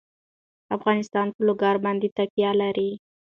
افغانستان په لوگر باندې تکیه لري.